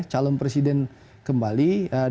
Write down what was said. calon presiden kembali